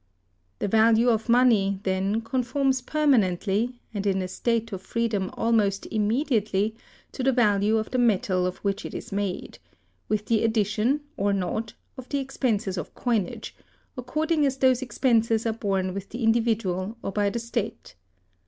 The value of money, then, conforms permanently, and in a state of freedom almost immediately, to the value of the metal of which it is made; with the addition, or not, of the expenses of coinage, according as those expenses are borne by the individual or by the state.